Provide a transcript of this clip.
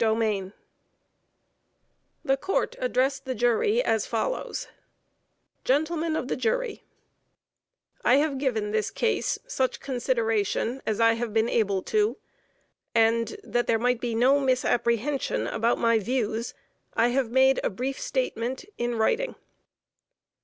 THE COURT addressed the jury as follows: Gentlemen of the Jury: I have given this case such consideration as I have been able to, and, that there might be no misapprehension about my views, I have made a brief statement in writing.